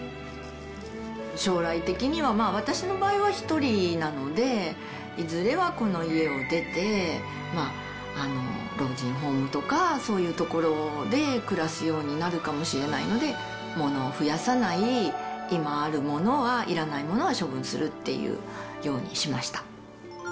将来的には私の場合は一人なので、いずれはこの家を出て、老人ホームとか、そういう所で暮らすようになるかもしれないので、物を増やさない、今あるものは、いらない物は処分するっていうようにしました。